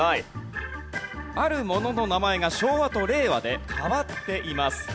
あるものの名前が昭和と令和で変わっています。